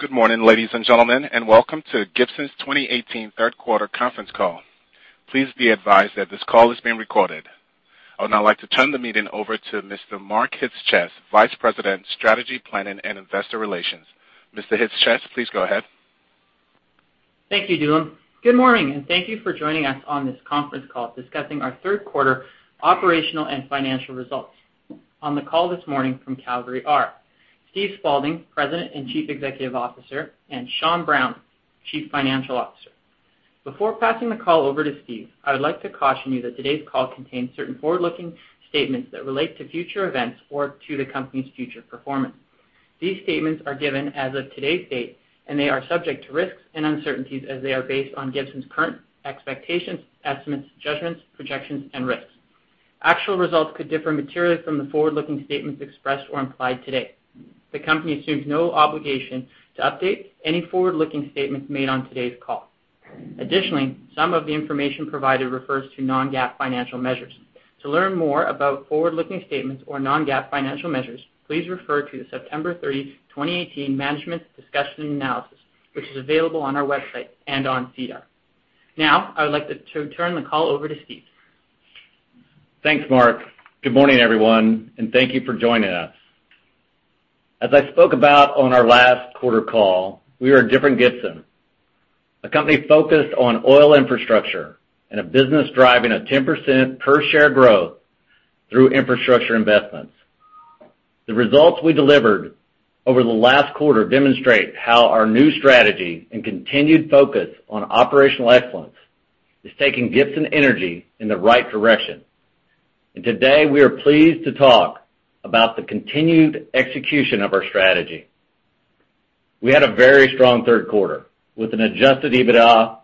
Good morning, ladies and gentlemen, welcome to Gibson's 2018 third quarter conference call. Please be advised that this call is being recorded. I would now like to turn the meeting over to Mr. Mark Chyc-Cies, Vice President, Strategy, Planning, and Investor Relations. Mr. Chyc-Cies, please go ahead. Thank you, Dulann. Good morning, thank you for joining us on this conference call discussing our third quarter operational and financial results. On the call this morning from Calgary are Steve Spaulding, President and Chief Executive Officer, and Sean Brown, Chief Financial Officer. Before passing the call over to Steve, I would like to caution you that today's call contains certain forward-looking statements that relate to future events or to the company's future performance. These statements are given as of today's date, and they are subject to risks and uncertainties as they are based on Gibson's current expectations, estimates, judgments, projections, and risks. Actual results could differ materially from the forward-looking statements expressed or implied today. The company assumes no obligation to update any forward-looking statements made on today's call. Additionally, some of the information provided refers to non-GAAP financial measures. To learn more about forward-looking statements or non-GAAP financial measures, please refer to the September 30th, 2018 management discussion and analysis, which is available on our website and on SEDAR. I would like to turn the call over to Steve. Thanks, Mark. Good morning, everyone, thank you for joining us. As I spoke about on our last quarter call, we are a different Gibson. A company focused on oil infrastructure and a business driving a 10% per share growth through infrastructure investments. The results we delivered over the last quarter demonstrate how our new strategy and continued focus on operational excellence is taking Gibson Energy in the right direction. Today, we are pleased to talk about the continued execution of our strategy. We had a very strong third quarter, with an adjusted EBITDA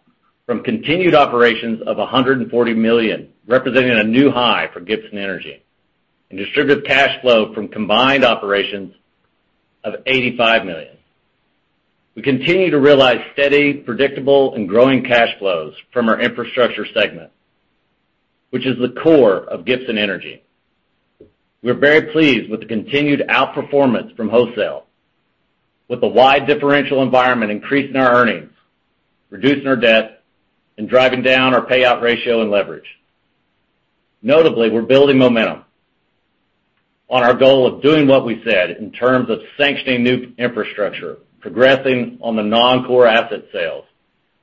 from continued operations of 140 million, representing a new high for Gibson Energy. Distributed cash flow from combined operations of 85 million. We continue to realize steady, predictable, and growing cash flows from our infrastructure segment, which is the core of Gibson Energy. We're very pleased with the continued outperformance from wholesale, with a wide differential environment increasing our earnings, reducing our debt, and driving down our payout ratio and leverage. Notably, we're building momentum on our goal of doing what we said in terms of sanctioning new infrastructure, progressing on the non-core asset sales,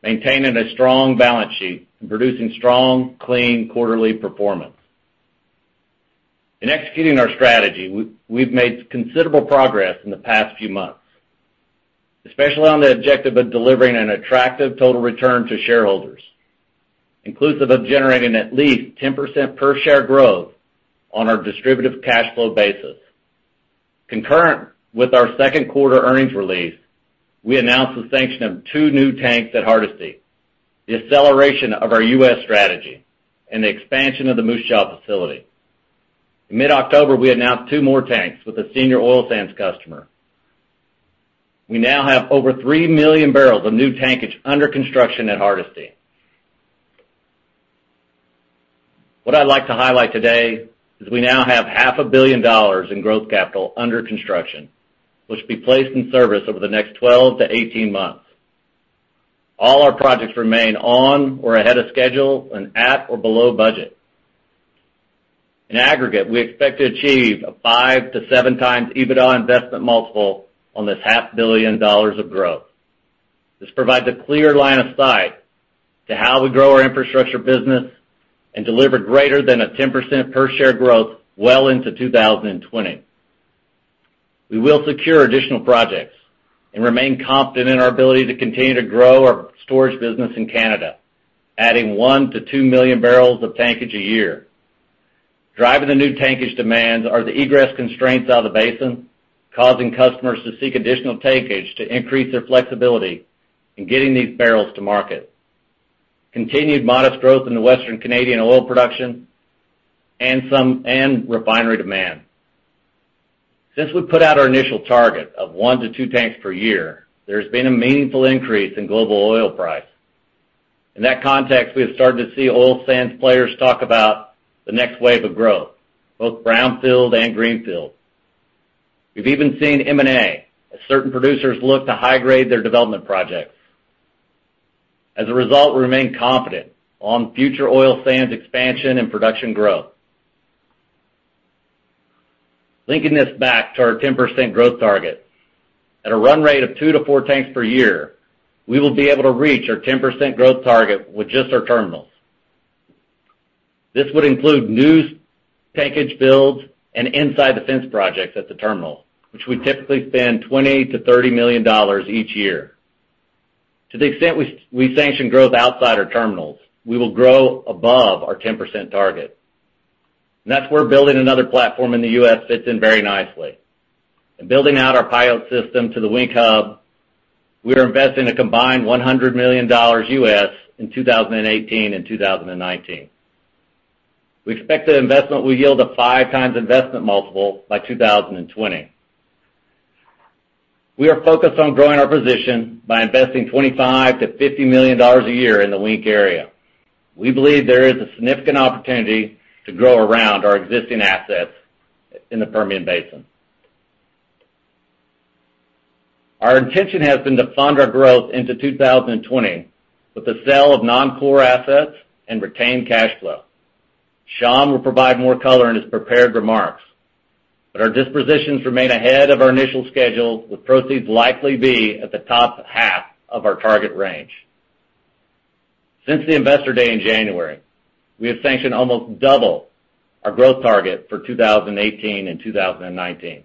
maintaining a strong balance sheet, and producing strong, clean quarterly performance. In executing our strategy, we've made considerable progress in the past few months, especially on the objective of delivering an attractive total return to shareholders, inclusive of generating at least 10% per share growth on our distributive cash flow basis. Concurrent with our second quarter earnings release, we announced the sanction of two new tanks at Hardisty, the acceleration of our U.S. strategy, and the expansion of the Moose Jaw facility. In mid-October, we announced two more tanks with a senior oil sands customer. We now have over three million barrels of new tankage under construction at Hardisty. What I'd like to highlight today is we now have half a billion CAD in growth capital under construction, which will be placed in service over the next 12 to 18 months. All our projects remain on or ahead of schedule and at or below budget. In aggregate, we expect to achieve a five to seven times EBITDA investment multiple on this half billion CAD of growth. This provides a clear line of sight to how we grow our infrastructure business and deliver greater than a 10% per share growth well into 2020. We will secure additional projects and remain confident in our ability to continue to grow our storage business in Canada, adding one to two million barrels of tankage a year. Driving the new tankage demands are the egress constraints out of the basin, causing customers to seek additional tankage to increase their flexibility in getting these barrels to market. Continued modest growth in the Western Canadian oil production and refinery demand. Since we put out our initial target of one to two tanks per year, there's been a meaningful increase in global oil price. In that context, we have started to see oil sands players talk about the next wave of growth, both brownfield and greenfield. We've even seen M&A as certain producers look to high-grade their development projects. As a result, we remain confident on future oil sands expansion and production growth. Linking this back to our 10% growth target. At a run rate of two to four tanks per year, we will be able to reach our 10% growth target with just our terminals. This would include new tankage builds and inside the fence projects at the terminal, which we typically spend 20 million-30 million dollars each year. To the extent we sanction growth outside our terminals, we will grow above our 10% target. That's where building another platform in the U.S. fits in very nicely. In building out our pilot system to the Wink Hub, we are investing a combined $100 million US in 2018 and 2019. We expect the investment will yield a five times investment multiple by 2020. We are focused on growing our position by investing 25 million-50 million dollars a year in the Wink area. We believe there is a significant opportunity to grow around our existing assets in the Permian Basin. Our intention has been to fund our growth into 2020 with the sale of non-core assets and retain cash flow. Sean will provide more color in his prepared remarks, our dispositions remain ahead of our initial schedule, with proceeds likely be at the top half of our target range. Since the investor day in January, we have sanctioned almost double our growth target for 2018 and 2019.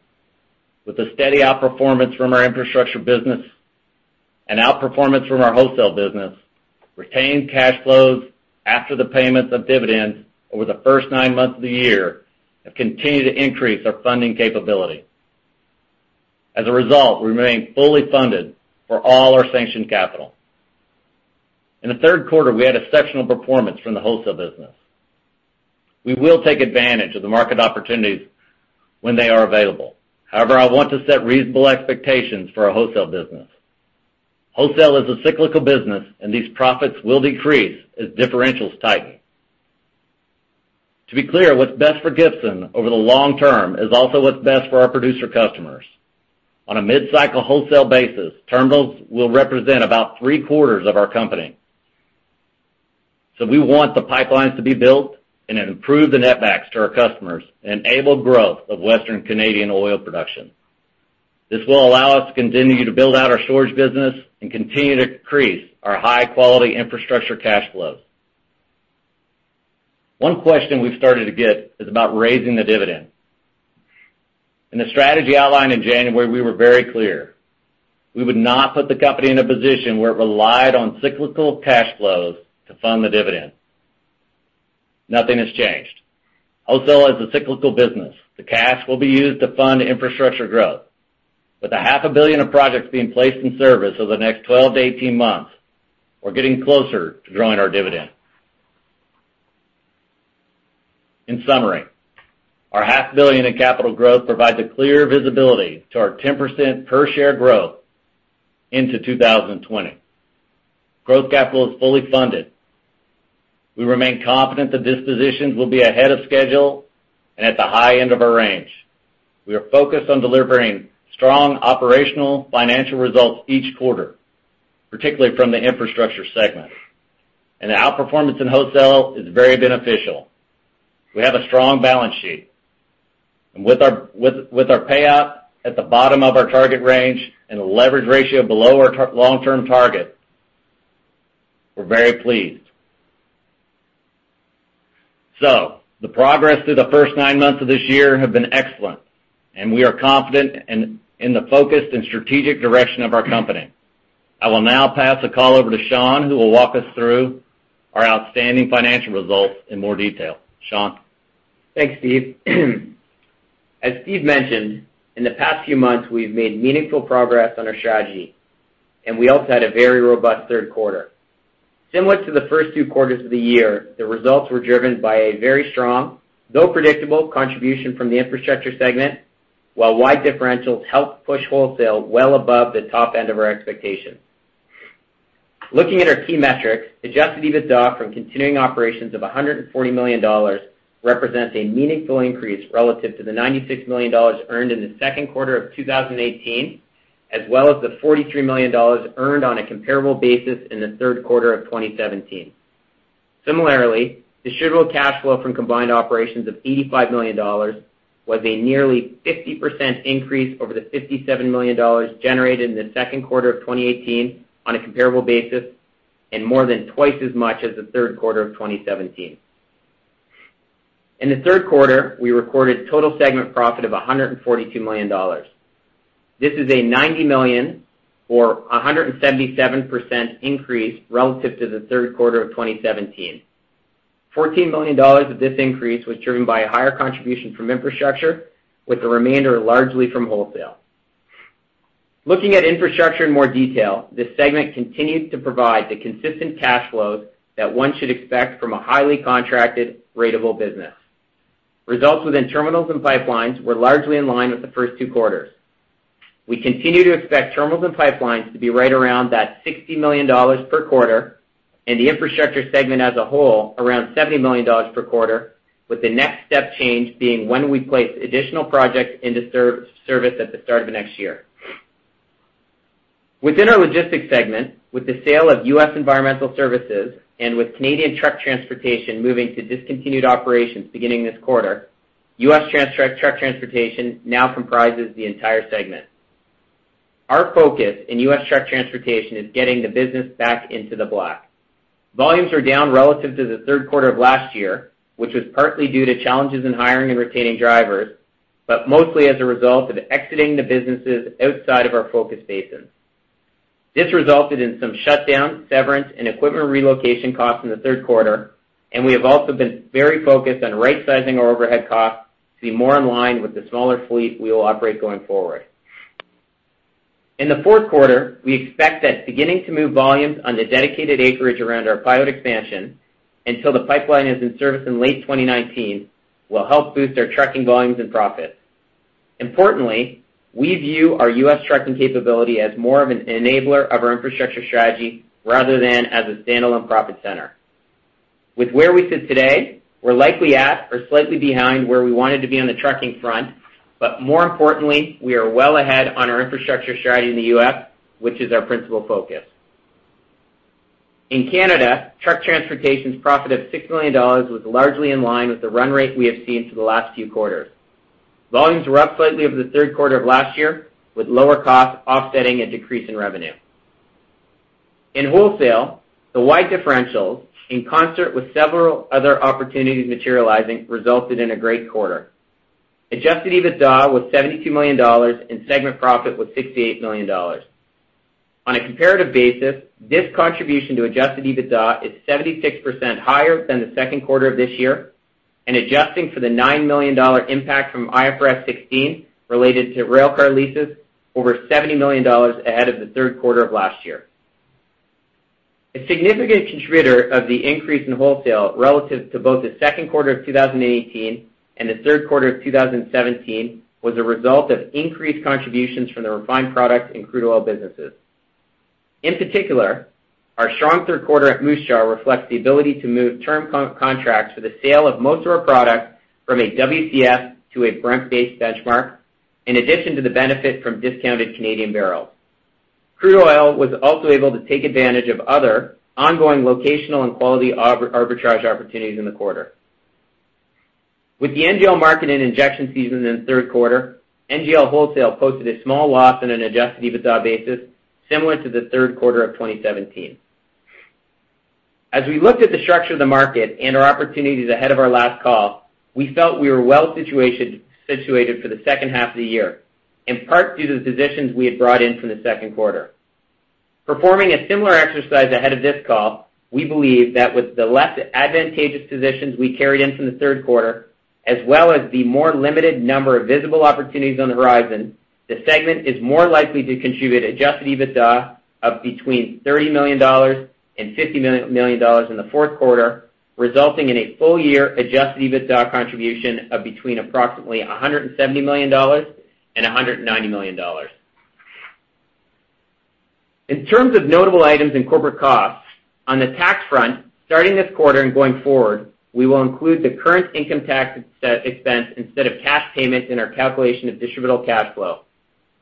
We remain fully funded for all our sanctioned capital. In the third quarter, we had exceptional performance from the wholesale business. We will take advantage of the market opportunities when they are available. I want to set reasonable expectations for our wholesale business. Wholesale is a cyclical business, these profits will decrease as differentials tighten. To be clear, what's best for Gibson over the long term is also what's best for our producer customers. On a mid-cycle wholesale basis, terminals will represent about three-quarters of our company. We want the pipelines to be built and improve the net backs to our customers, enable growth of Western Canadian oil production. This will allow us to continue to build out our storage business and continue to increase our high-quality infrastructure cash flows. One question we've started to get is about raising the dividend. In the strategy outlined in January, we were very clear. We would not put the company in a position where it relied on cyclical cash flows to fund the dividend. Nothing has changed. Wholesale is a cyclical business. The cash will be used to fund infrastructure growth. With a half a billion of projects being placed in service over the next 12-18 months, we're getting closer to growing our dividend. Our half billion in capital growth provides a clear visibility to our 10% per-share growth into 2020. Growth capital is fully funded. We remain confident that dispositions will be ahead of schedule and at the high end of our range. We are focused on delivering strong operational financial results each quarter, particularly from the infrastructure segment, the outperformance in wholesale is very beneficial. We have a strong balance sheet. With our payout at the bottom of our target range and a leverage ratio below our long-term target, we're very pleased. The progress through the first nine months of this year have been excellent, and we are confident in the focused and strategic direction of our company. I will now pass the call over to Sean, who will walk us through our outstanding financial results in more detail. Sean? Thanks, Steve. As Steve mentioned, in the past few months, we've made meaningful progress on our strategy, and we also had a very robust third quarter. Similar to the first two quarters of the year, the results were driven by a very strong, though predictable, contribution from the infrastructure segment, while wide differentials helped push wholesale well above the top end of our expectation. Looking at our key metrics, adjusted EBITDA from continuing operations of 140 million dollars represents a meaningful increase relative to the 96 million dollars earned in the second quarter of 2018, as well as the 43 million dollars earned on a comparable basis in the third quarter of 2017. Distributable cash flow from combined operations of 85 million dollars was a nearly 50% increase over the 57 million dollars generated in the second quarter of 2018 on a comparable basis, and more than twice as much as the third quarter of 2017. In the third quarter, we recorded total segment profit of 142 million dollars. This is a 90 million or 177% increase relative to the third quarter of 2017. 14 million dollars of this increase was driven by a higher contribution from infrastructure, with the remainder largely from wholesale. Looking at infrastructure in more detail, this segment continued to provide the consistent cash flows that one should expect from a highly contracted ratable business. Results within terminals and pipelines were largely in line with the first two quarters. We continue to expect terminals and pipelines to be right around that 60 million dollars per quarter, and the infrastructure segment as a whole around 70 million dollars per quarter, with the next step change being when we place additional projects into service at the start of next year. Within our logistics segment, with the sale of U.S. Environmental Services and with Canadian truck transportation moving to discontinued operations beginning this quarter, U.S. truck transportation now comprises the entire segment. Our focus in U.S. truck transportation is getting the business back into the black. Volumes are down relative to the third quarter of last year, which was partly due to challenges in hiring and retaining drivers, but mostly as a result of exiting the businesses outside of our focus basins. This resulted in some shutdown, severance, and equipment relocation costs in the third quarter, and we have also been very focused on right-sizing our overhead costs to be more in line with the smaller fleet we will operate going forward. In the fourth quarter, we expect that beginning to move volumes on the dedicated acreage around our pilot expansion until the pipeline is in service in late 2019 will help boost our trucking volumes and profit. Importantly, we view our U.S. trucking capability as more of an enabler of our infrastructure strategy rather than as a standalone profit center. With where we sit today, we're likely at or slightly behind where we wanted to be on the trucking front. More importantly, we are well ahead on our infrastructure strategy in the U.S., which is our principal focus. In Canada, truck transportation's profit of 6 million dollars was largely in line with the run rate we have seen for the last few quarters. Volumes were up slightly over the third quarter of last year, with lower cost offsetting a decrease in revenue. In wholesale, the wide differentials, in concert with several other opportunities materializing, resulted in a great quarter. Adjusted EBITDA was 72 million dollars, and segment profit was 68 million dollars. On a comparative basis, this contribution to Adjusted EBITDA is 76% higher than the second quarter of this year, and adjusting for the 9 million dollar impact from IFRS 16 related to railcar leases, over 70 million dollars ahead of the third quarter of last year. A significant contributor of the increase in wholesale relative to both the second quarter of 2018 and the third quarter of 2017 was a result of increased contributions from the refined products and crude oil businesses. In particular, our strong third quarter at Moose Jaw reflects the ability to move term contracts for the sale of most of our products from a WCS to a Brent-based benchmark, in addition to the benefit from discounted Canadian barrels. Crude oil was also able to take advantage of other ongoing locational and quality arbitrage opportunities in the quarter. With the NGL market in injection season in the third quarter, NGL wholesale posted a small loss on an Adjusted EBITDA basis, similar to the third quarter of 2017. As we looked at the structure of the market and our opportunities ahead of our last call, we felt we were well-situated for the second half of the year, in part due to the positions we had brought in from the second quarter. Performing a similar exercise ahead of this call, we believe that with the less advantageous positions we carried in from the third quarter, as well as the more limited number of visible opportunities on the horizon, the segment is more likely to contribute Adjusted EBITDA of between 30 million dollars and 50 million dollars in the fourth quarter, resulting in a full-year Adjusted EBITDA contribution of between approximately 170 million dollars and 190 million dollars. In terms of notable items in corporate costs, on the tax front, starting this quarter and going forward, we will include the current income tax expense instead of cash payments in our calculation of distributable cash flow,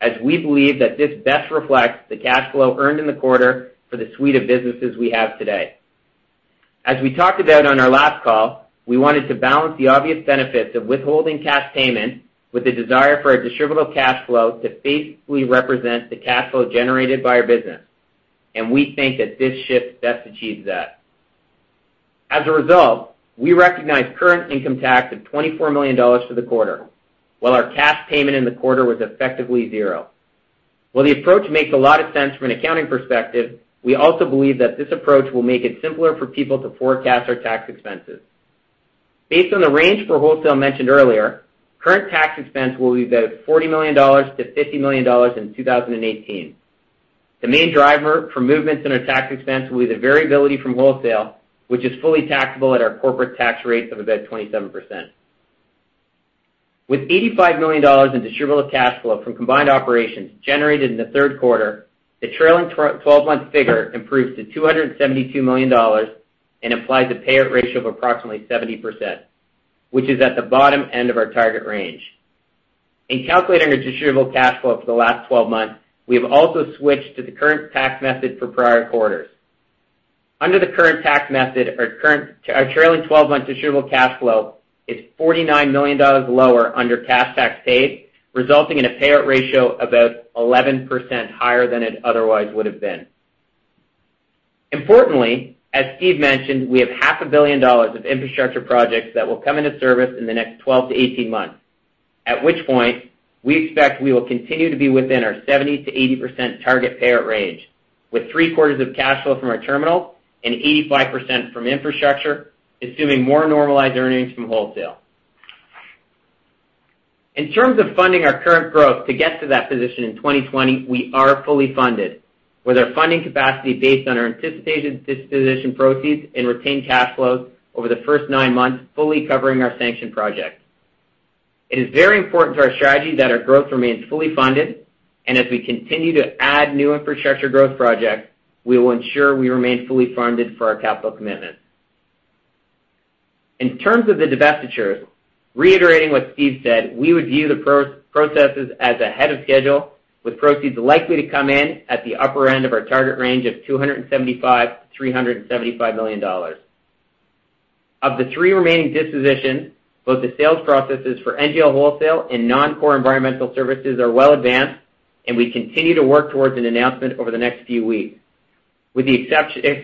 as we believe that this best reflects the cash flow earned in the quarter for the suite of businesses we have today. As we talked about on our last call, we wanted to balance the obvious benefits of withholding cash payments with the desire for our distributable cash flow to faithfully represent the cash flow generated by our business, and we think that this shift best achieves that. As a result, we recognized current income tax of 24 million dollars for the quarter, while our cash payment in the quarter was effectively zero. While the approach makes a lot of sense from an accounting perspective, we also believe that this approach will make it simpler for people to forecast our tax expenses. Based on the range for wholesale mentioned earlier, current tax expense will be about 40 million-50 million dollars in 2018. The main driver for movements in our tax expense will be the variability from wholesale, which is fully taxable at our corporate tax rate of about 27%. With 85 million dollars in distributable cash flow from combined operations generated in the third quarter, the trailing 12-month figure improves to 272 million dollars and implies a payout ratio of approximately 70%, which is at the bottom end of our target range. In calculating our distributable cash flow for the last 12 months, we have also switched to the current tax method for prior quarters. Under the current tax method, our trailing 12-month distributable cash flow is 49 million dollars lower under cash tax paid, resulting in a payout ratio about 11% higher than it otherwise would have been. Importantly, as Steve mentioned, we have half a billion dollars of infrastructure projects that will come into service in the next 12-18 months, at which point we expect we will continue to be within our 70%-80% target payout range, with three-quarters of cash flow from our terminal and 85% from infrastructure, assuming more normalized earnings from wholesale. In terms of funding our current growth to get to that position in 2020, we are fully funded, with our funding capacity based on our anticipated disposition proceeds and retained cash flows over the first nine months fully covering our sanctioned projects. It is very important to our strategy that our growth remains fully funded, and as we continue to add new infrastructure growth projects, we will ensure we remain fully funded for our capital commitments. In terms of the divestitures, reiterating what Steve said, we would view the processes as ahead of schedule, with proceeds likely to come in at the upper end of our target range of 275 million-375 million dollars. Of the three remaining dispositions, both the sales processes for NGL wholesale and non-core U.S. Environmental Services are well advanced, and we continue to work towards an announcement over the next few weeks, with the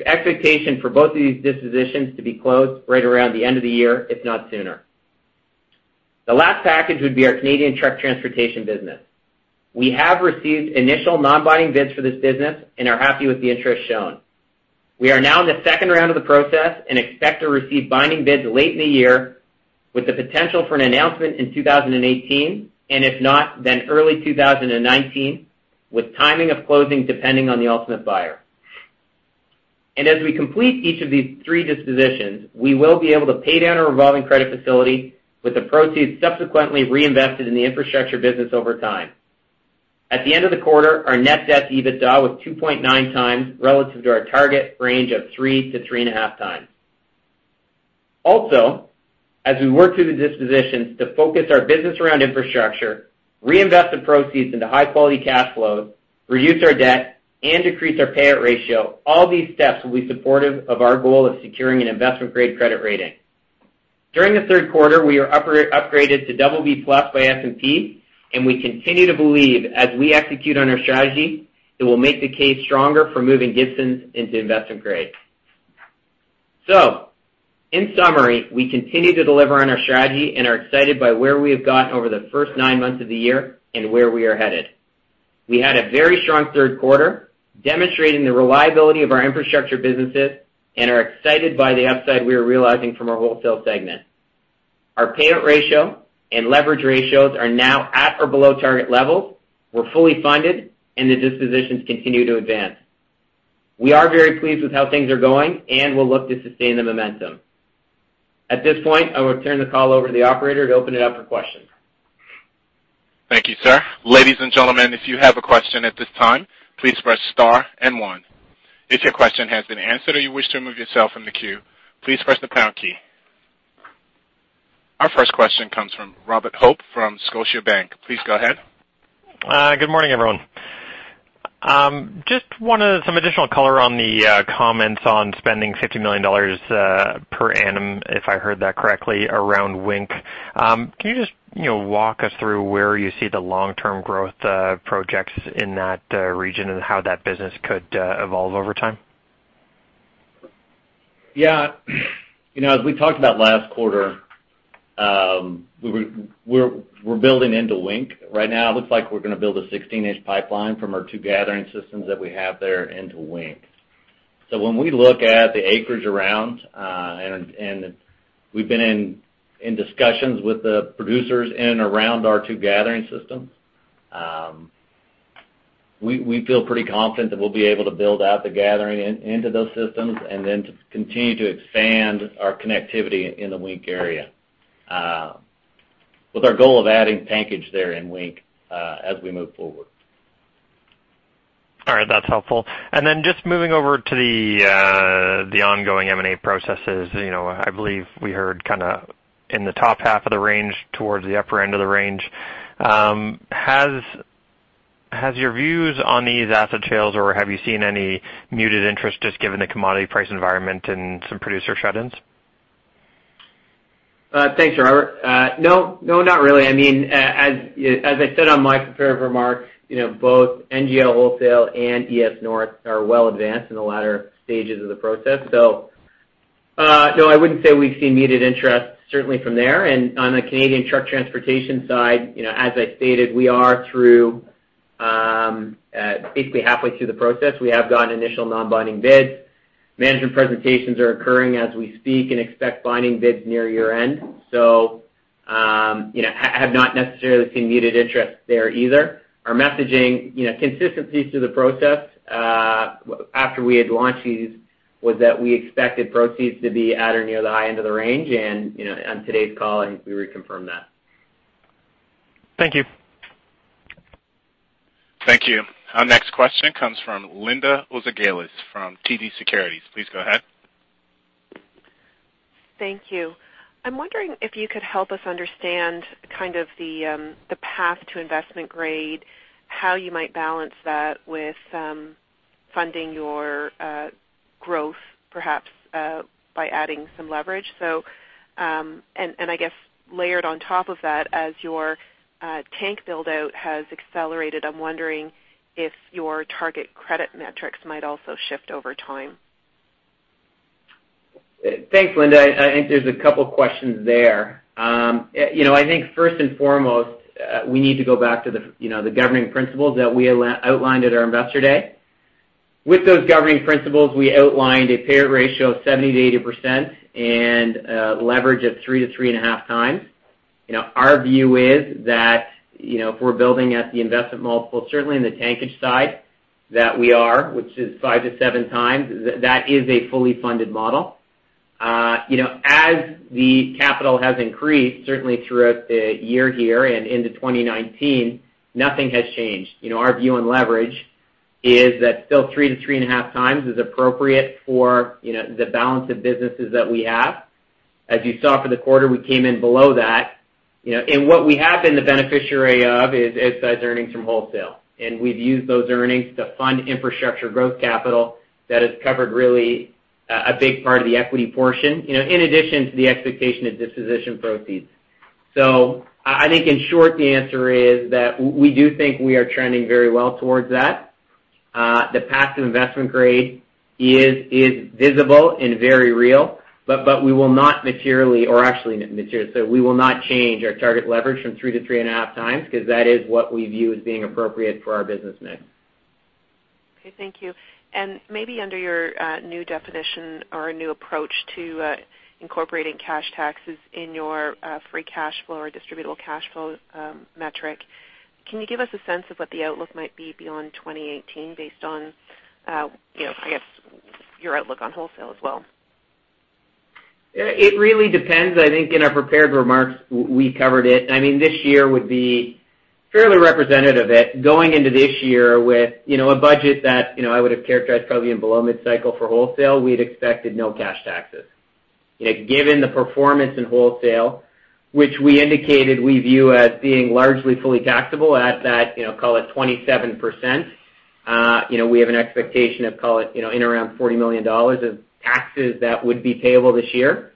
expectation for both of these dispositions to be closed right around the end of the year, if not sooner. The last package would be our Canadian truck transportation business. We have received initial non-binding bids for this business and are happy with the interest shown. We are now in the second round of the process and expect to receive binding bids late in the year, with the potential for an announcement in 2018, and if not, then early 2019, with timing of closing depending on the ultimate buyer. As we complete each of these three dispositions, we will be able to pay down our revolving credit facility with the proceeds subsequently reinvested in the infrastructure business over time. At the end of the quarter, our net debt to EBITDA was 2.9x relative to our target range of 3x-3.5x. As we work through the dispositions to focus our business around infrastructure, reinvest the proceeds into high-quality cash flows, reduce our debt, and decrease our payout ratio, all these steps will be supportive of our goal of securing an investment-grade credit rating. During the third quarter, we are upgraded to BB+ by S&P, and we continue to believe as we execute on our strategy, it will make the case stronger for moving Gibson into investment grade. In summary, we continue to deliver on our strategy and are excited by where we have gotten over the first nine months of the year and where we are headed. We had a very strong third quarter, demonstrating the reliability of our infrastructure businesses and are excited by the upside we are realizing from our wholesale segment. Our payout ratio and leverage ratios are now at or below target levels. We're fully funded, and the dispositions continue to advance. We are very pleased with how things are going and will look to sustain the momentum. At this point, I will turn the call over to the operator to open it up for questions. Thank you, sir. Ladies and gentlemen, if you have a question at this time, please press star and one. If your question has been answered or you wish to remove yourself from the queue, please press the pound key. Our first question comes from Robert Hope from Scotiabank. Please go ahead. Good morning, everyone. Just wanted some additional color on the comments on spending 50 million dollars per annum, if I heard that correctly, around Wink. Can you just walk us through where you see the long-term growth projects in that region and how that business could evolve over time? As we talked about last quarter, we're building into Wink. Right now, it looks like we're going to build a 16-inch pipeline from our two gathering systems that we have there into Wink. When we look at the acreage around, and we've been in discussions with the producers in and around our two gathering systems. We feel pretty confident that we'll be able to build out the gathering into those systems and then to continue to expand our connectivity in the Wink area. With our goal of adding tankage there in Wink as we move forward. All right. That's helpful. Just moving over to the ongoing M&A processes. I believe we heard kind of in the top half of the range, towards the upper end of the range. Has your views on these asset sales, or have you seen any muted interest just given the commodity price environment and some producer shut-ins? Thanks, Robert. No, not really. As I said on my prepared remarks, both NGL wholesale and ES North are well advanced in the latter stages of the process. No, I wouldn't say we've seen muted interest, certainly from there. On the Canadian truck transportation side, as I stated, we are basically halfway through the process. We have gotten initial non-binding bids. Management presentations are occurring as we speak and expect binding bids near year-end. Have not necessarily seen muted interest there either. Our messaging, consistencies to the process, after we had launched these, was that we expected proceeds to be at or near the high end of the range. On today's call, we reconfirm that. Thank you. Thank you. Our next question comes from Linda Ezergailis from TD Securities. Please go ahead. Thank you. I'm wondering if you could help us understand kind of the path to investment grade, how you might balance that with funding your growth, perhaps by adding some leverage. I guess layered on top of that, as your tank build-out has accelerated, I'm wondering if your target credit metrics might also shift over time. Thanks, Linda. I think there's a couple questions there. I think first and foremost, we need to go back to the governing principles that we outlined at our Investor Day. With those governing principles, we outlined a payout ratio of 70%-80% and leverage of three to three and a half times. Our view is that if we're building at the investment multiple, certainly in the tankage side, that we are, which is five to seven times, that is a fully funded model. As the capital has increased, certainly throughout the year here and into 2019, nothing has changed. Our view on leverage is that still three to three and a half times is appropriate for the balance of businesses that we have. As you saw for the quarter, we came in below that. What we have been the beneficiary of is size earnings from wholesale, and we've used those earnings to fund infrastructure growth capital that has covered really a big part of the equity portion, in addition to the expectation of disposition proceeds. I think, in short, the answer is that we do think we are trending very well towards that. The path to investment grade is visible and very real, but we will not materially, or actually not materially. We will not change our target leverage from three to three and a half times because that is what we view as being appropriate for our business mix. Okay, thank you. Maybe under your new definition or a new approach to incorporating cash taxes in your free cash flow or distributable cash flow metric, can you give us a sense of what the outlook might be beyond 2018 based on, I guess, your outlook on wholesale as well? It really depends. I think in our prepared remarks, we covered it. This year would be fairly representative of it. Going into this year with a budget that I would've characterized probably in below mid-cycle for wholesale, we'd expected no cash taxes. Given the performance in wholesale, which we indicated we view as being largely fully taxable at that, call it 27%, we have an expectation of, call it, in around 40 million dollars of taxes that would be payable this year.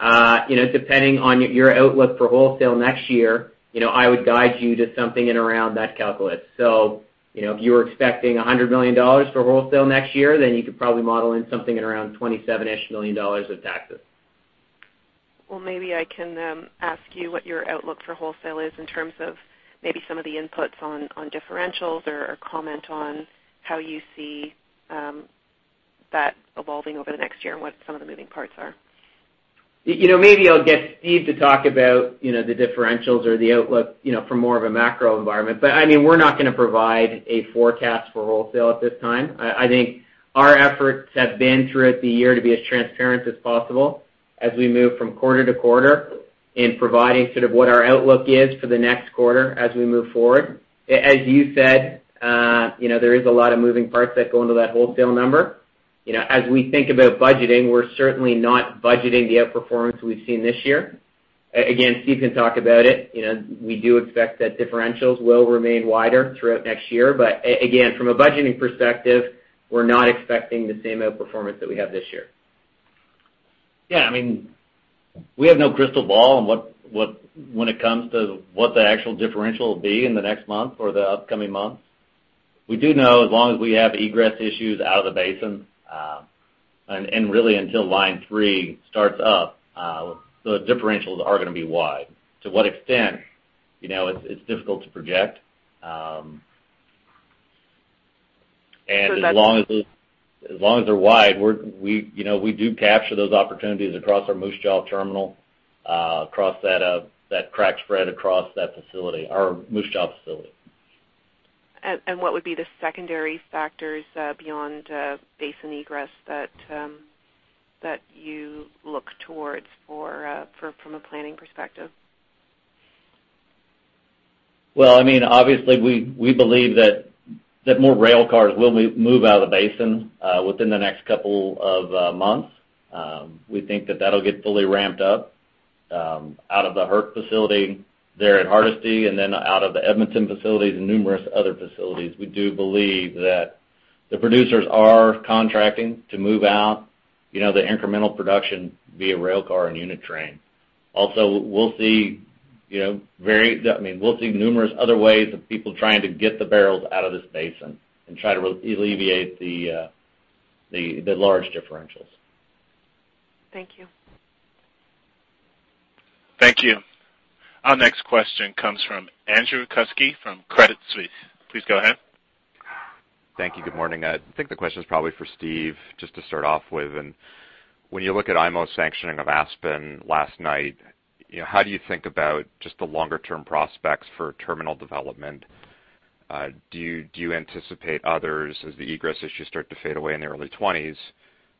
Depending on your outlook for wholesale next year, I would guide you to something in around that calculus. If you were expecting 100 million dollars for wholesale next year, then you could probably model in something at around 27-ish million dollars of taxes. Maybe I can then ask you what your outlook for wholesale is in terms of maybe some of the inputs on differentials or comment on how you see that evolving over the next year and what some of the moving parts are. Maybe I'll get Steve to talk about the differentials or the outlook for more of a macro environment. We're not going to provide a forecast for wholesale at this time. I think our efforts have been throughout the year to be as transparent as possible as we move from quarter to quarter in providing sort of what our outlook is for the next quarter as we move forward. As you said, there is a lot of moving parts that go into that wholesale number. As we think about budgeting, we're certainly not budgeting the outperformance we've seen this year. Again, Steve can talk about it. We do expect that differentials will remain wider throughout next year. Again, from a budgeting perspective, we're not expecting the same outperformance that we have this year. Yeah. We have no crystal ball when it comes to what the actual differential will be in the next month or the upcoming months. We do know as long as we have egress issues out of the basin, and really until Line 3 starts up, the differentials are gonna be wide. To what extent, it's difficult to project. So that's- As long as they're wide, we do capture those opportunities across our Moose Jaw terminal, across that crack spread across that facility, our Moose Jaw facility. What would be the secondary factors beyond basin egress that you look towards from a planning perspective? Obviously, we believe that more rail cars will move out of the basin within the next couple of months. We think that that'll get fully ramped up out of the HURC facility there at Hardisty and then out of the Edmonton facilities and numerous other facilities. We do believe that the producers are contracting to move out the incremental production via rail car and unit train. Also, we'll see numerous other ways of people trying to get the barrels out of this basin and try to alleviate the large differentials. Thank you. Thank you. Our next question comes from Andrew Kuske from Credit Suisse. Please go ahead. Thank you. Good morning. I think the question is probably for Steve, just to start off with. When you look at IMO's sanctioning of Aspen last night, how do you think about just the longer-term prospects for terminal development? Do you anticipate others, as the egress issues start to fade away in the early '20s,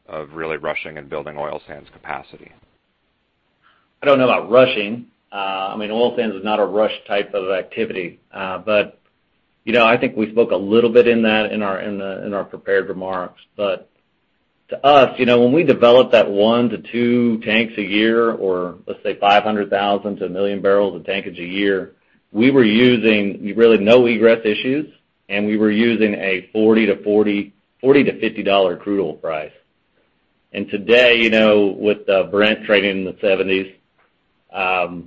of really rushing and building oil sands capacity? I don't know about rushing. Oil sands is not a rush type of activity. I think we spoke a little bit in our prepared remarks. To us, when we developed that one to two tanks a year, or let's say 500,000 to 1 million barrels of tankage a year, we were using really no egress issues, and we were using a 40 to 50 dollar crude oil price. Today, with Brent trading in the 70s,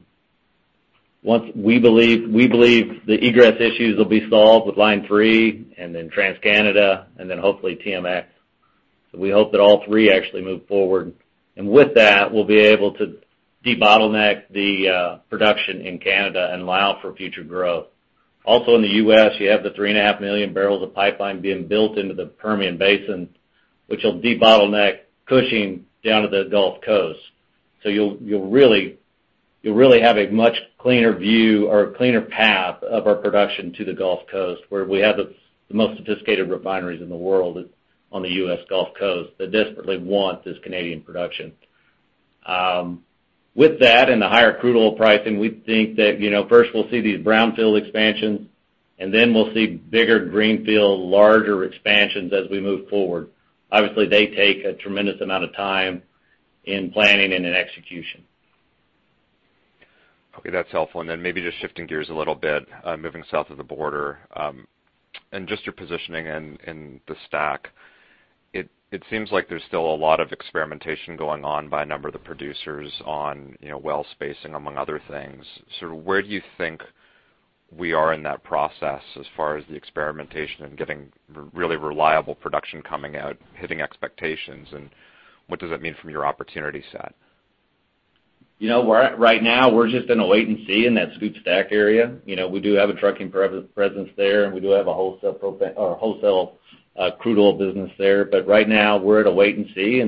we believe the egress issues will be solved with Line 3, TransCanada, and hopefully TMX. We hope that all three actually move forward. With that, we'll be able to debottleneck the production in Canada and allow for future growth. In the U.S., you have the three and a half million barrels of pipeline being built into the Permian Basin, which will debottleneck Cushing down to the Gulf Coast. You'll really have a much cleaner view or a cleaner path of our production to the Gulf Coast, where we have the most sophisticated refineries in the world on the U.S. Gulf Coast that desperately want this Canadian production. With that and the higher crude oil pricing, we think that first we'll see these brownfield expansions, and then we'll see bigger greenfield, larger expansions as we move forward. They take a tremendous amount of time in planning and in execution. Okay. That's helpful. Maybe just shifting gears a little bit, moving south of the border, and just your positioning in the STACK. It seems like there's still a lot of experimentation going on by a number of the producers on well spacing, among other things. Sort of where do you think we are in that process as far as the experimentation and getting really reliable production coming out, hitting expectations, and what does that mean from your opportunity set? Right now, we're just in a wait and see in that SCOOP STACK area. We do have a trucking presence there, and we do have a wholesale crude oil business there. Right now, we're at a wait and see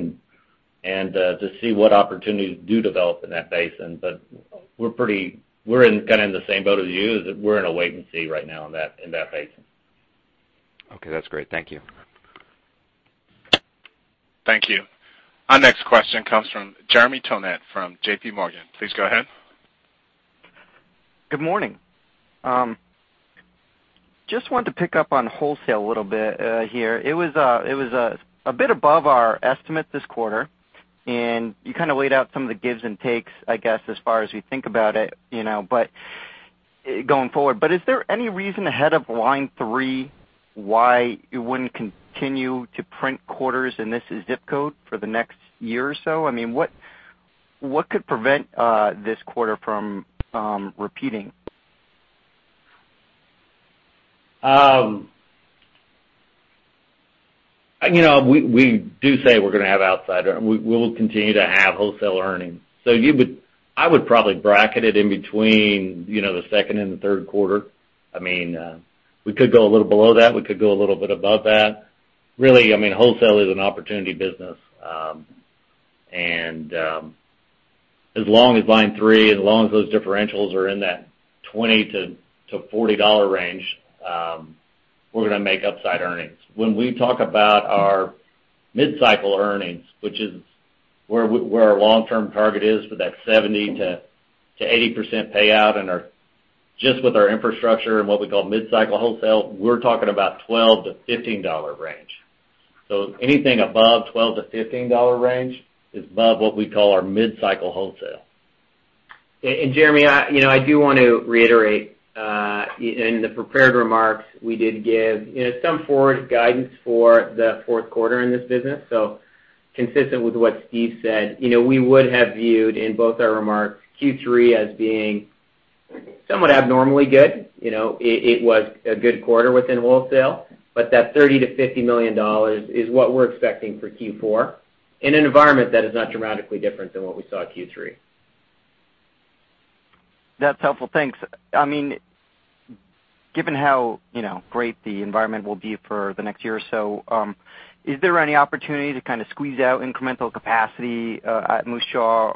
to see what opportunities do develop in that basin. We're kind of in the same boat as you, that we're in a wait and see right now in that basin. Okay, that's great. Thank you. Thank you. Our next question comes from Jeremy Tonet from J.P. Morgan. Please go ahead. Good morning. Just wanted to pick up on wholesale a little bit here. It was a bit above our estimate this quarter, and you kind of laid out some of the gives and takes, I guess, as far as we think about it going forward. Is there any reason ahead of Line 3 why you wouldn't continue to print quarters in this zip code for the next year or so? What could prevent this quarter from repeating? We will continue to have wholesale earnings. I would probably bracket it in between the second and the third quarter. We could go a little below that. We could go a little bit above that. Really, wholesale is an opportunity business. As long as Line 3, as long as those differentials are in that 20-40 dollar range, we're going to make upside earnings. When we talk about our mid-cycle earnings, which is where our long-term target is for that 70%-80% payout and just with our infrastructure and what we call mid-cycle wholesale, we're talking about 12-15 dollar range. Anything above 12-15 dollar range is above what we call our mid-cycle wholesale. Jeremy, I do want to reiterate in the prepared remarks, we did give some forward guidance for the fourth quarter in this business. Consistent with what Steve said, we would have viewed in both our remarks Q3 as being somewhat abnormally good. It was a good quarter within wholesale, but that 30 million-50 million dollars is what we're expecting for Q4 in an environment that is not dramatically different than what we saw at Q3. That's helpful. Thanks. Given how great the environment will be for the next year or so, is there any opportunity to kind of squeeze out incremental capacity at Moose Jaw?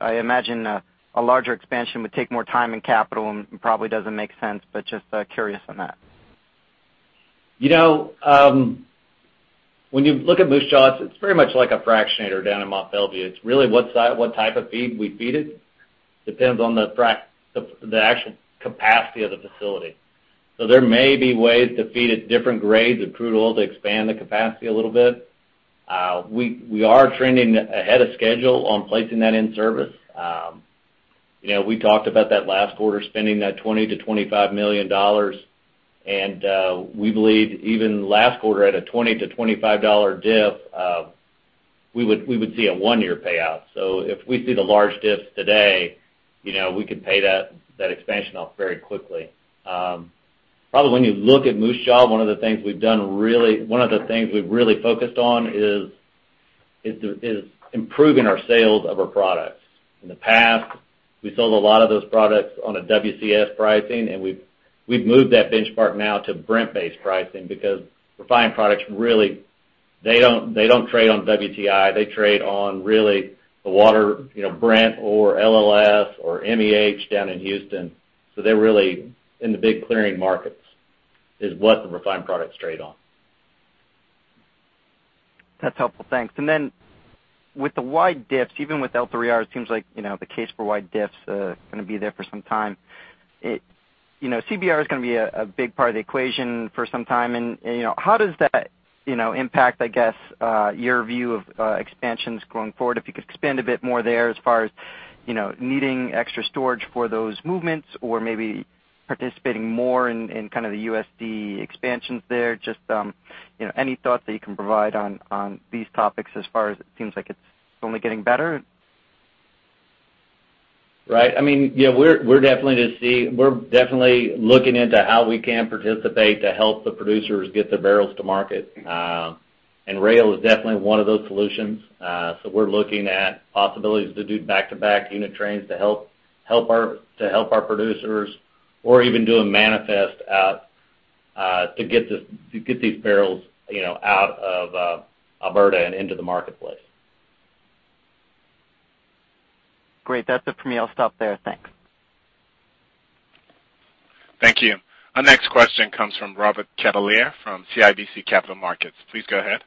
I imagine a larger expansion would take more time and capital and probably doesn't make sense, but just curious on that. When you look at Moose Jaw, it's pretty much like a fractionator down in Mont Belvieu. It's really what type of feed we feed it. Depends on the actual capacity of the facility. There may be ways to feed it different grades of crude oil to expand the capacity a little bit. We are trending ahead of schedule on placing that in service. We talked about that last quarter, spending that 20 million to 25 million dollars, and we believe even last quarter at a 20 to 25 dollar diff, we would see a one-year payout. If we see the large diffs today, we could pay that expansion off very quickly. Probably when you look at Moose Jaw, one of the things we've really focused on is improving our sales of our products. In the past, we sold a lot of those products on a WCS pricing. We've moved that benchmark now to Brent-based pricing because refined products really, they don't trade on WTI. They trade on really the water, Brent or LLS or MEH down in Houston. They're really in the big clearing markets, is what the refined products trade on. That's helpful. Thanks. With the wide diffs, even with L3R, it seems like, the case for wide diffs are going to be there for some time. CBR is going to be a big part of the equation for some time. How does that impact, I guess, your view of expansions going forward? If you could expand a bit more there as far as needing extra storage for those movements or maybe participating more in kind of the USD expansions there. Just any thoughts that you can provide on these topics as far as it seems like it's only getting better? Right. We're definitely looking into how we can participate to help the producers get their barrels to market. Rail is definitely one of those solutions. We're looking at possibilities to do back-to-back unit trains to help our producers or even do a manifest out to get these barrels out of Alberta and into the marketplace. Great. That's it for me. I'll stop there. Thanks. Thank you. Our next question comes from Robert Catellier from CIBC Capital Markets. Please go ahead.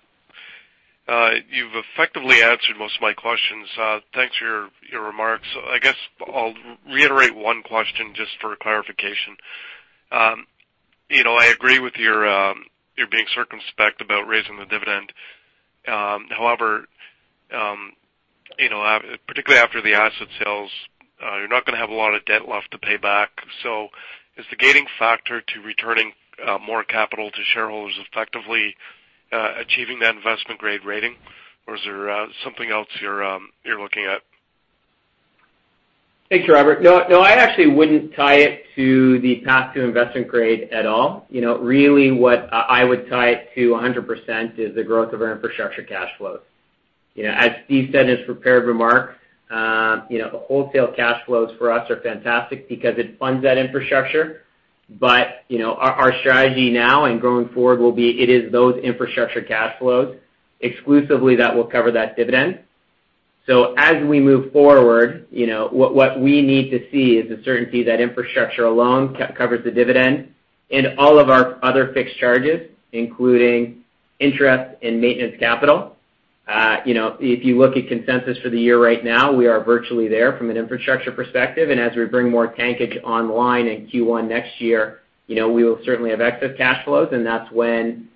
You've effectively answered most of my questions. Thanks for your remarks. I guess I'll reiterate one question just for clarification. I agree with your being circumspect about raising the dividend. However, particularly after the asset sales, you're not going to have a lot of debt left to pay back. Is the gating factor to returning more capital to shareholders effectively achieving that investment-grade rating? Is there something else you're looking at? Thanks, Robert. No, I actually wouldn't tie it to the path to investment grade at all. Really what I would tie it to 100% is the growth of our infrastructure cash flows. As Steve said in his prepared remarks, the wholesale cash flows for us are fantastic because it funds that infrastructure. Our strategy now and going forward will be it is those infrastructure cash flows exclusively that will cover that dividend. As we move forward, what we need to see is the certainty that infrastructure alone covers the dividend and all of our other fixed charges, including interest and maintenance capital. If you look at consensus for the year right now, we are virtually there from an infrastructure perspective. As we bring more tankage online in Q1 next year, we will certainly have excess cash flows, and that's when,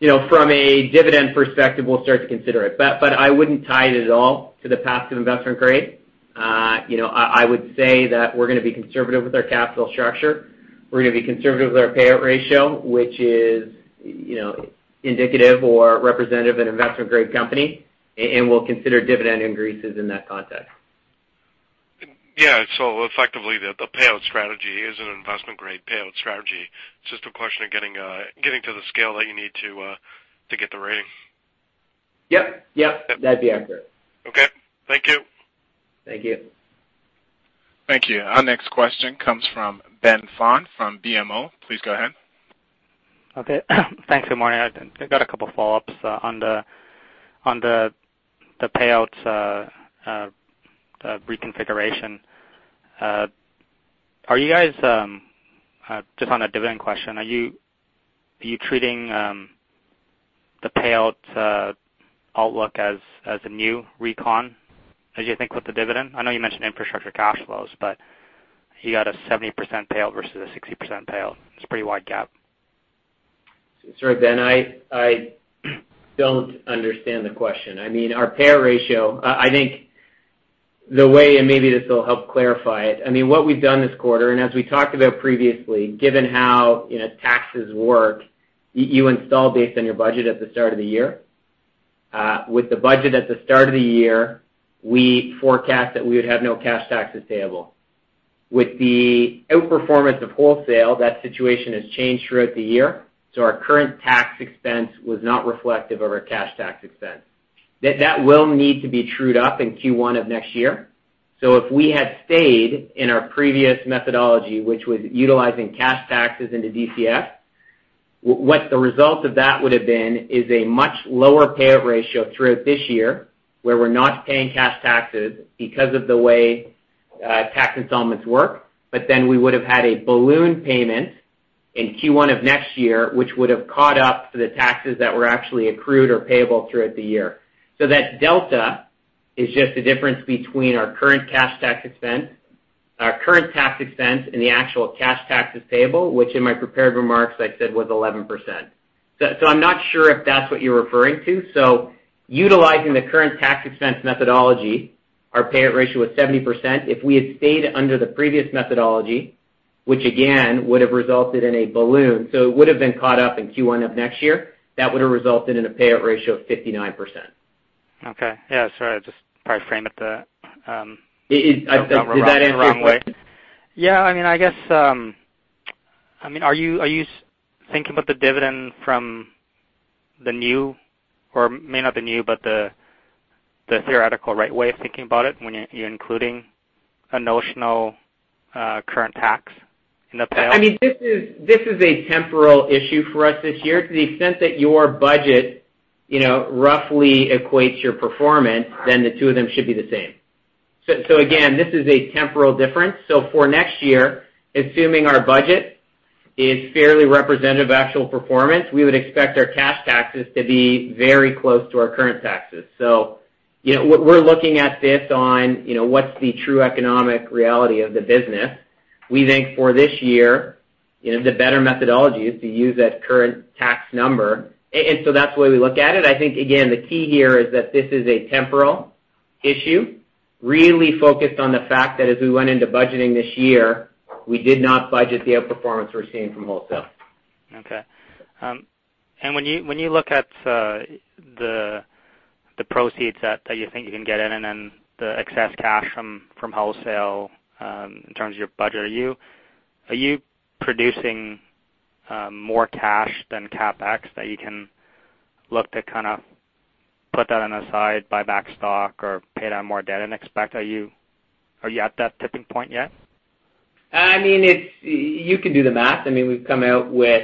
from a dividend perspective, we'll start to consider it. I wouldn't tie it at all to the path to investment grade. I would say that we're going to be conservative with our capital structure. We're going to be conservative with our payout ratio, which is indicative or representative of an investment-grade company, and we'll consider dividend increases in that context. Yeah. Effectively, the payout strategy is an investment-grade payout strategy. It's just a question of getting to the scale that you need to get the rating. Yep. That'd be accurate. Okay. Thank you. Thank you. Thank you. Our next question comes from Ben Pham from BMO. Please go ahead. Okay. Thanks. Good morning. I've got a couple of follow-ups on the payouts reconfiguration. Just on a dividend question, are you treating the payout outlook as a new recon, as you think with the dividend? I know you mentioned infrastructure cash flows, but you got a 70% payout versus a 60% payout. It's a pretty wide gap. Sorry, Ben, I don't understand the question. Our payout ratio I think the way, and maybe this will help clarify it. What we've done this quarter, and as we talked about previously, given how taxes work, you install based on your budget at the start of the year. With the budget at the start of the year, we forecast that we would have no cash taxes payable. With the outperformance of wholesale, that situation has changed throughout the year. Our current tax expense was not reflective of our cash tax expense. That will need to be trued up in Q1 of next year. If we had stayed in our previous methodology, which was utilizing cash taxes into DCF, what the result of that would've been is a much lower payout ratio throughout this year, where we're not paying cash taxes because of the way tax installments work. We would've had a balloon payment in Q1 of next year, which would've caught up to the taxes that were actually accrued or payable throughout the year. That delta is just the difference between our current cash tax expense, our current tax expense, and the actual cash taxes payable, which in my prepared remarks, I said was 11%. I'm not sure if that's what you're referring to. Utilizing the current tax expense methodology, our payout ratio was 70%. If we had stayed under the previous methodology, which again, would've resulted in a balloon, it would've been caught up in Q1 of next year. That would've resulted in a payout ratio of 59%. Okay. Yeah, sorry. I just probably framed it the wrong way. Does that answer your question? Yeah. Are you thinking about the dividend from the new or may not be new, but the theoretical right way of thinking about it when you're including a notional current tax in the payout? This is a temporal issue for us this year to the extent that your budget roughly equates your performance, then the two of them should be the same. Again, this is a temporal difference. For next year, assuming our budget is fairly representative of actual performance, we would expect our cash taxes to be very close to our current taxes. We're looking at this on what's the true economic reality of the business. We think for this year, the better methodology is to use that current tax number. That's the way we look at it. I think, again, the key here is that this is a temporal issue, really focused on the fact that as we went into budgeting this year, we did not budget the outperformance we're seeing from wholesale. Okay. When you look at the proceeds that you think you can get in and then the excess cash from wholesale, in terms of your budget, are you producing more cash than CapEx that you can look to put that on the side, buy back stock, or pay down more debt than expected? Are you at that tipping point yet? You can do the math. We've come out with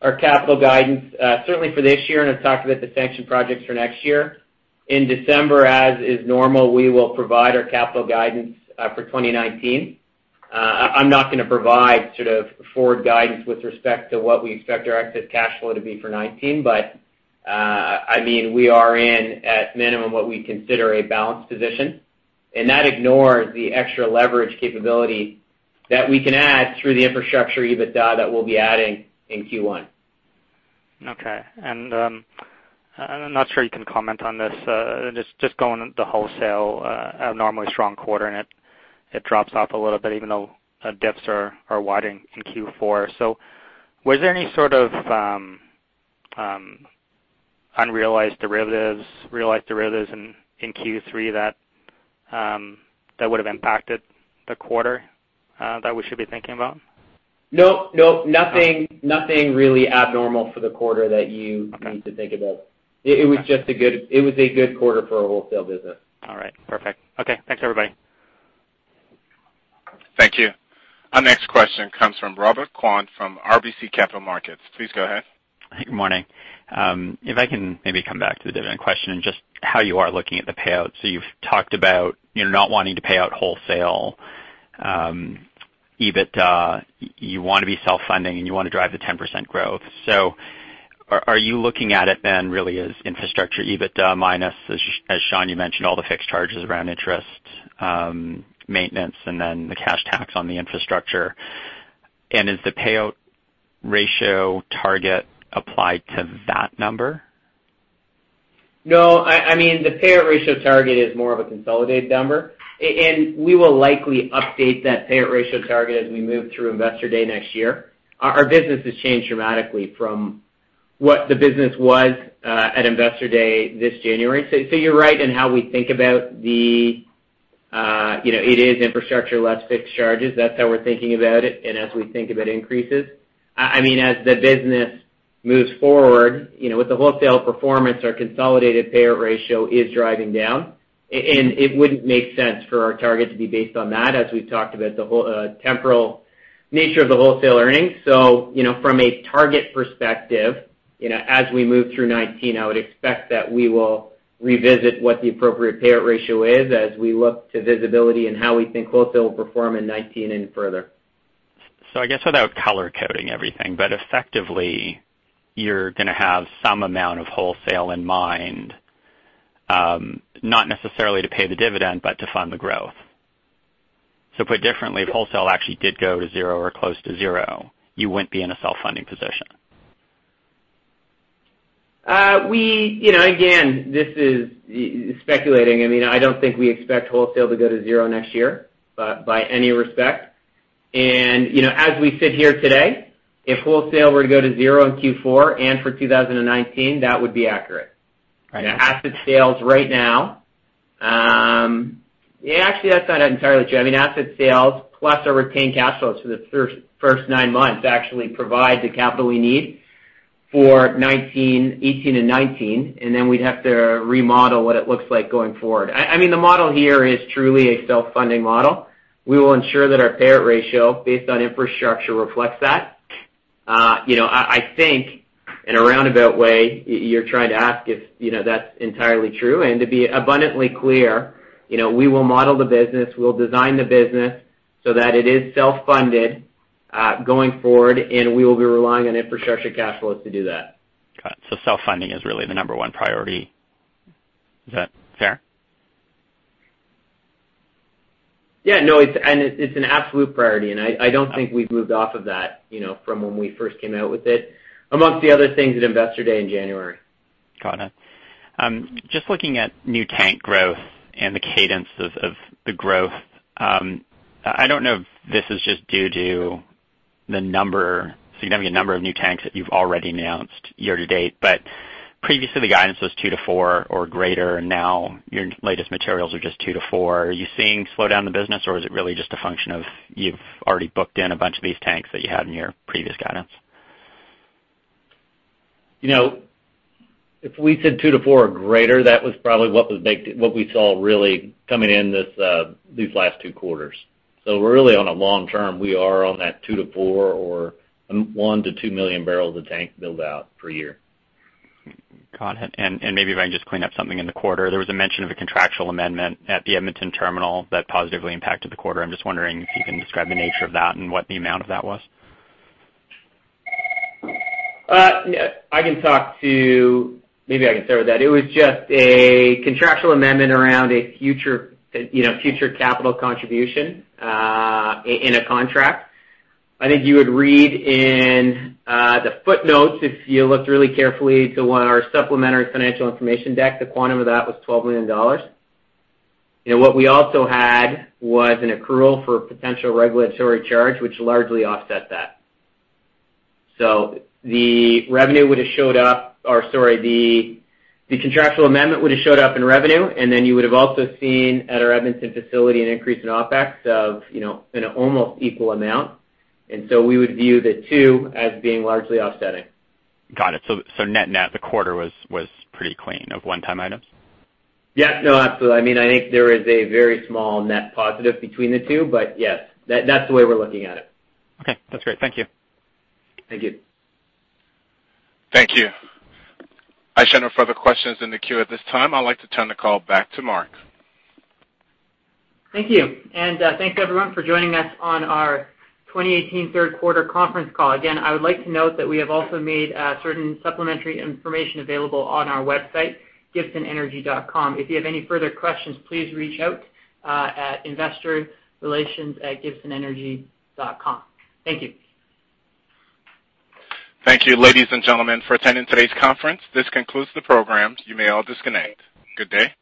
our capital guidance, certainly for this year, and have talked about the sanctioned projects for next year. In December, as is normal, we will provide our capital guidance for 2019. I'm not going to provide forward guidance with respect to what we expect our excess cash flow to be for 2019. We are in, at minimum, what we consider a balanced position, and that ignores the extra leverage capability that we can add through the infrastructure EBITDA that we'll be adding in Q1. Okay. I'm not sure you can comment on this. Just going into wholesale, abnormally strong quarter, and it drops off a little bit even though dips are wide in Q4. Was there any sort of unrealized derivatives, realized derivatives in Q3 that would've impacted the quarter that we should be thinking about? No. Nothing really abnormal for the quarter that you need to think about. Okay. It was a good quarter for our wholesale business. All right. Perfect. Okay. Thanks, everybody. Thank you. Our next question comes from Robert Kwan from RBC Capital Markets. Please go ahead. Good morning. If I can maybe come back to the dividend question and just how you are looking at the payout. You've talked about you're not wanting to pay out wholesale EBITDA. You want to be self-funding, and you want to drive the 10% growth. Are you looking at it then really as infrastructure EBITDA minus, as Sean, you mentioned, all the fixed charges around interest, maintenance, and then the cash tax on the infrastructure? Is the payout ratio target applied to that number? No. The payout ratio target is more of a consolidated number, and we will likely update that payout ratio target as we move through Investor Day next year. Our business has changed dramatically from what the business was at Investor Day this January. You're right in how we think about the It is infrastructure less fixed charges. That's how we're thinking about it and as we think about increases. As the business moves forward, with the wholesale performance, our consolidated payout ratio is driving down, and it wouldn't make sense for our target to be based on that, as we've talked about the temporal nature of the wholesale earnings. From a target perspective, as we move through 2019, I would expect that we will revisit what the appropriate payout ratio is as we look to visibility and how we think wholesale will perform in 2019 and further. I guess without color-coding everything, but effectively, you're going to have some amount of wholesale in mind, not necessarily to pay the dividend, but to fund the growth. Put differently, if wholesale actually did go to zero or close to zero, you wouldn't be in a self-funding position. Again, this is speculating. I don't think we expect wholesale to go to zero next year, by any respect. As we sit here today, if wholesale were to go to zero in Q4 and for 2019, that would be accurate. Right. Asset sales right now. Actually, that's not entirely true. Asset sales plus our retained cash flows for the first nine months actually provide the capital we need for 2018 and 2019. Then we'd have to remodel what it looks like going forward. The model here is truly a self-funding model. We will ensure that our payout ratio, based on infrastructure, reflects that. I think, in a roundabout way, you're trying to ask if that's entirely true. To be abundantly clear, we will model the business, we'll design the business so that it is self-funded, going forward, and we will be relying on infrastructure cash flows to do that. Got it. Self-funding is really the number 1 priority. Is that fair? Yeah. No, it's an absolute priority. I don't think we've moved off of that from when we first came out with it, amongst the other things at Investor Day in January. Got it. Just looking at new tank growth and the cadence of the growth. I don't know if this is just due to the significant number of new tanks that you've already announced year to date, but previously guidance was two to four or greater. Now your latest materials are just two to four. Are you seeing a slowdown in the business, or is it really just a function of you've already booked in a bunch of these tanks that you had in your previous guidance? If we said two to four or greater, that was probably what we saw really coming in these last two quarters. On a long-term, we are on that two to four or one to two million barrels of tank build-out per year. Got it. Maybe if I can just clean up something in the quarter. There was a mention of a contractual amendment at the Edmonton terminal that positively impacted the quarter. I'm just wondering if you can describe the nature of that and what the amount of that was. Maybe I can start with that. It was just a contractual amendment around a future capital contribution in a contract. I think you would read in the footnotes, if you looked really carefully to one of our supplementary financial information deck, the quantum of that was 12 million dollars. What we also had was an accrual for a potential regulatory charge, which largely offset that. The contractual amendment would've showed up in revenue, and then you would've also seen at our Edmonton facility an increase in OpEx of an almost equal amount. We would view the two as being largely offsetting. Got it. Net-net, the quarter was pretty clean of one-time items? Yeah. No, absolutely. I think there is a very small net positive between the two. Yes, that's the way we're looking at it. Okay. That's great. Thank you. Thank you. Thank you. I show no further questions in the queue at this time. I'd like to turn the call back to Mark. Thanks, everyone, for joining us on our 2018 third quarter conference call. Again, I would like to note that we have also made certain supplementary information available on our website, gibsonenergy.com. If you have any further questions, please reach out at investorrelations@gibsonenergy.com. Thank you. Thank you, ladies and gentlemen, for attending today's conference. This concludes the program. You may all disconnect. Good day.